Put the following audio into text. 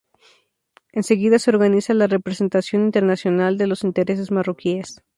Enseguida se organiza la representación internacional de los intereses marroquíes.